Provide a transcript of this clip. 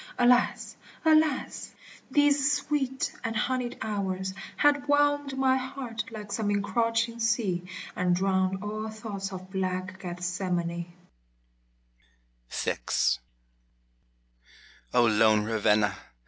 Alas ! alas ! these sweet and honied hours Had 'whelmed my heart like some encroaching sea, And drowned all thoughts of black Gethsemane. VI O lone Ravenna